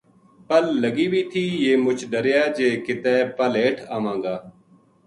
پل لگی وی تھی یہ مُچ ڈریا جے کِتے پل ہیٹھ آواں گا۔